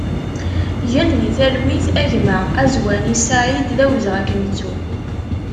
Gen di talwit a gma Azwani Saïd, d awezɣi ad k-nettu!